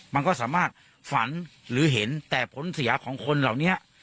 มันก็สามารถฝันหรือเห็นแต่ผลเสียของคนเหล่านี้